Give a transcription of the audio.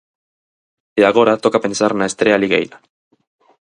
E agora toca pensar na estrea ligueira.